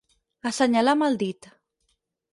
Assenyalar amb el dit.